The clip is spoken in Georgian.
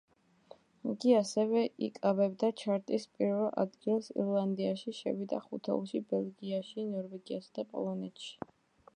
იგი ასევე იკავებდა ჩარტის პირველ ადგილს ირლანდიაში, შევიდა ხუთეულში ბელგიაში, ნორვეგიასა და პოლონეთში.